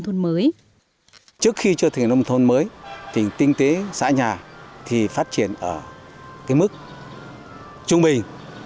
trước khi xây dựng nông thuật mới tỉnh tinh tế xã nhà phát triển ở mức trung bình